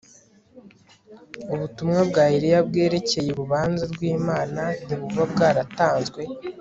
ubutumwa bwa Eliya bwerekeye urubanza rwImana ntibuba bwaratanzwe